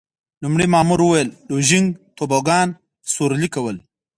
لومړي مامور وویل: لوژینګ، توبوګان سورلي کول.